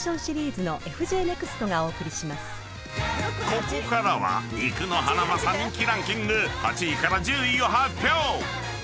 ［ここからは肉のハナマサ人気ランキング８位から１０位を発表！］